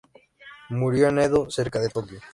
Murió en Edo, cerca de Tokio.